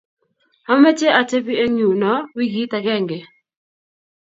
ameche atebi eng' yuno wikit agenge